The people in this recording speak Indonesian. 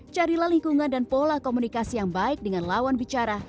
carilah lingkungan dan pola komunikasi yang baik dengan lawan bicara